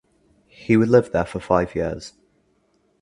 He would live there for five years.